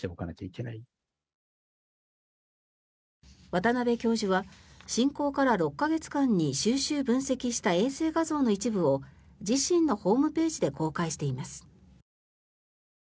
渡邉教授は侵攻から６か月間に収集・分析した衛星画像の一部を自身のホームページで公開しています。